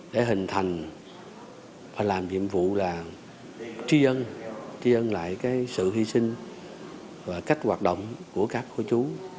để hình thành và làm nhiệm vụ là tri ân tri ân lại sự hy sinh và cách hoạt động của các cô chú